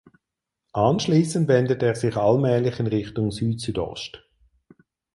Anschließend wendet er sich allmählich in Richtung Südsüdost.